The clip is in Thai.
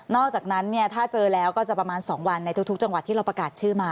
อกจากนั้นเนี่ยถ้าเจอแล้วก็จะประมาณ๒วันในทุกจังหวัดที่เราประกาศชื่อมา